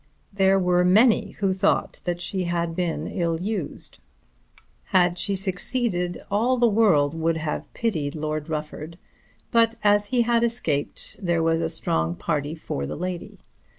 There were many who thought that she had been ill used. Had she succeeded, all the world would have pitied Lord Rufford; but as he had escaped, there was a strong party for the lady.